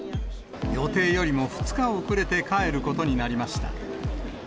予定よりも２日遅れて帰ることになりました。